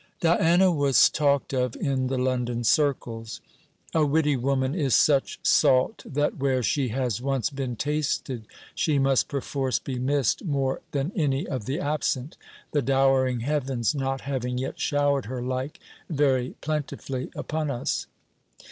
Diana was talked of in the London circles. A witty woman is such salt that where she has once been tasted she must perforce be missed more than any of the absent, the dowering heavens not having yet showered her like very plentifully upon us.